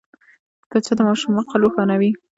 کتابچه د ماشوم عقل روښانوي